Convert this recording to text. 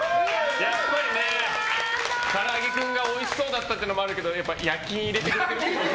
やっぱりからあげクンがおいしそうだったっていうのもあるけど焼印を入れてくれてるっていう。